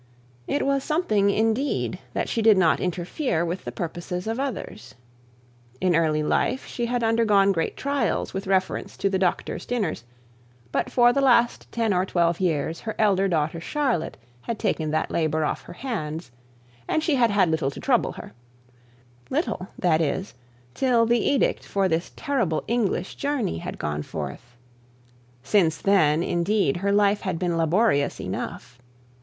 It was something, indeed, that she did not interfere with the purposes of others. In early life she had undergone great trials with reference to the doctor's dinners; but for the last ten or twelve years her eldest daughter Charlotte had taken that labour off her hands, and she had had little to trouble her; little, that is, till the edict for this terrible English journey had gone forth; since, then, indeed, her life had been laborious enough.